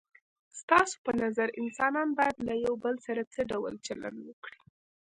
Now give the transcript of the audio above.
ستاسو په نظر انسانان باید له یو بل سره څه ډول چلند وکړي؟